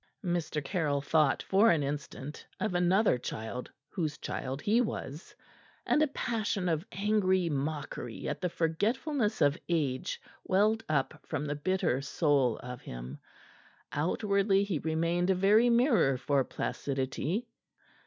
Mr. Caryll thought for an instant of another child whose child he was, and a passion of angry mockery at the forgetfulness of age welled up from the bitter soul of him. Outwardly he remained a very mirror for placidity.